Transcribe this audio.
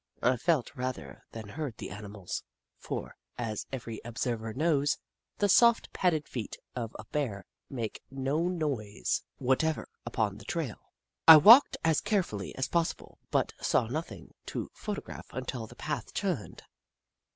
I felt, rather than heard the animals, for, as every observer knows, the soft, padded feet of a Bear make no noise whatever upon the trail. I walked along as carefully as possible, but saw nothing to photograph until the path turned.